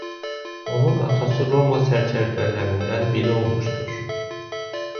Onun atası Roma sərkərdələrindən biri olmuşdur.